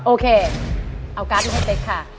โอเคเอาการ์ดมาให้เป๊กค่ะ